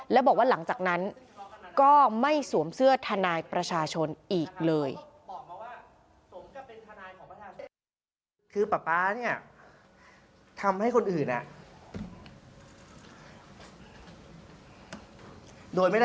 แล้วบอกว่าหลังจากนั้นก็ไม่สวมเสื้อทนายประชาชนอีกเลย